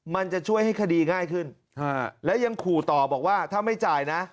มันจะช่วยให้คดีง่ายขึ้นและยังขู่ต่อบอกว่าถ้าไม่จ่ายนะ